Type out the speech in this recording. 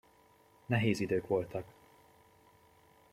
Nehéz idők voltak!